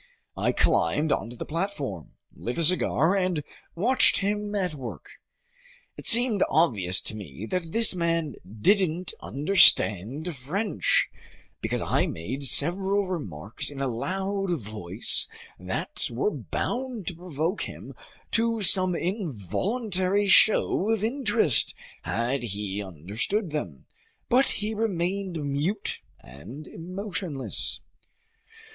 I climbed onto the platform, lit a cigar, and watched him at work. It seemed obvious to me that this man didn't understand French, because I made several remarks in a loud voice that were bound to provoke him to some involuntary show of interest had he understood them; but he remained mute and emotionless.